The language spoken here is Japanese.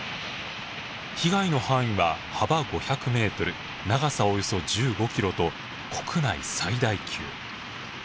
被害の範囲は幅５００メートル長さおよそ１５キロと国内最大級。